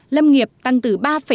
lâm nghiệp tăng từ ba tám